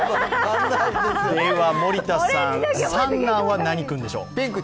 森田さん、三男は何君でしょう？